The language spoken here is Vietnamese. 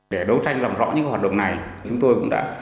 để đấu tranh làm rõ những hoạt động này chúng tôi cũng đã